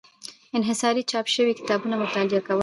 انحصاري چاپ شوي کتابونه مطالعه کول.